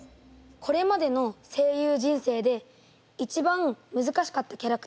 これまでの声優人生で一番むずかしかったキャラクターは何ですか？